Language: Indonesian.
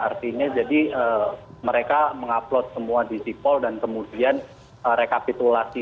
artinya jadi mereka mengupload semua di sipol dan kemudian rekapitulasi